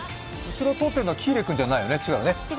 後ろ通っているのは喜入君じゃないよね。